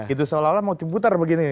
itu seolah olah mau diputar begini